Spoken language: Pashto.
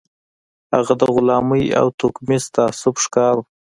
هغه د غلامۍ او توکميز تعصب ښکار و